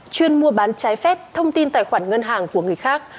chuyên mua bán trái phép thông tin tài khoản ngân hàng của người khác